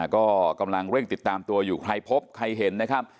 ก็กำลังเร่งติดตามตัวอยู่ใครพบใครเห็นนะครับ